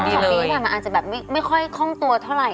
แต่ว่าที่หวักดูมันอาจจะแบบไม่ค่อยค่องตัวเท่าไหร่